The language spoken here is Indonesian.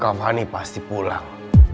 kak fani pasti pulang